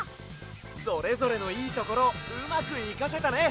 それぞれのいいところをうまくいかせたね！